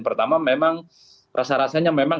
pertama memang rasa rasanya memang